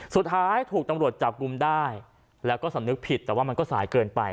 สุดท้ายถูกตำรวจจับกลุ่มได้แล้วก็สำนึกผิดแต่ว่ามันก็สายเกินไป